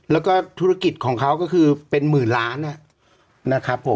แล้วก็ธุรกิจของเขาก็คือเป็น๑๐๐๐๐๐๐๐นะครับผม